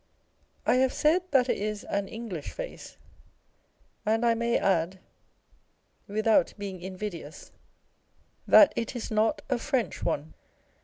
I have said that it is an English face ; and I may add (without being invidious) that it is not a French one.